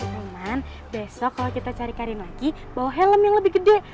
roman besok kalo kita cari karin lagi bawa helm yang lebih gede